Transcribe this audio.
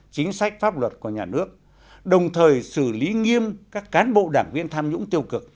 chính sách pháp luật của nhà nước đồng thời xử lý nghiêm các cán bộ đảng viên tham nhũng tiêu cực